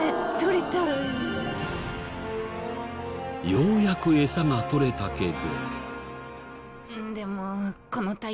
ようやくエサが取れたけど。